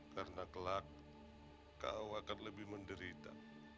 karena kelak kau akan lebih menderita